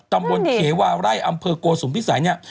ตำรวจเขาวาไล่ห์อำเภอกว้าสุมพิสัย